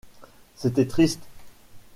C'était triste.